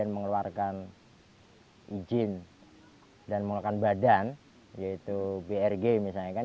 mengeluarkan izin dan mengeluarkan badan yaitu brg misalnya kan